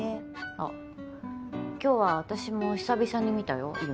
あ今日は私も久々に見たよ夢。